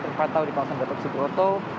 terpantau di kawasan gatot subroto